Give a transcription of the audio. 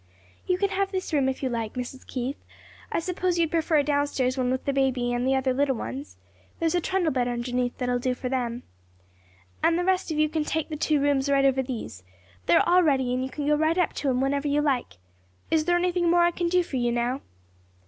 "You can have this room if you like, Mrs. Keith; I s'pose you'd prefer a downstairs one with the baby and t'other little ones? There is a trundle bed underneath that'll do for them. "And the rest of you can take the two rooms right over these. They're all ready and you can go right up to 'em whenever you like. Is there anything more I can do for you now?"